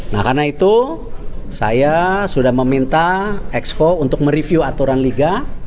nah karena itu saya sudah meminta exco untuk mereview aturan liga